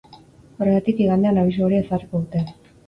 Horregatik, igandean abisu horia ezarriko dute.